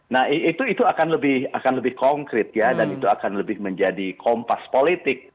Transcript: nah itu akan lebih konkret ya dan itu akan lebih menjadi kompas politik